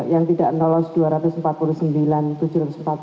yang tidak lolos dua ratus empat puluh sembilan tujuh ratus empat puluh